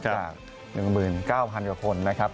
จาก๑๙๐๐กว่าคนนะครับ